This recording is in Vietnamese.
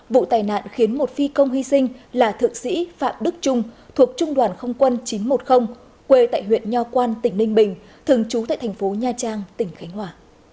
vụ tai nạn khiến một phi công hy sinh là thượng sĩ phạm đức trung thuộc trung đoàn không quân chín trăm một mươi quê tại huyện nho quan tỉnh ninh bình thường trú tại thành phố nha trang tỉnh khánh hòa